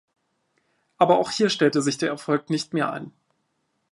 Aber auch hier stellte sich der Erfolg nicht mehr ein.